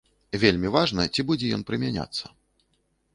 Вельмі важна, ці будзе ён прымяняцца.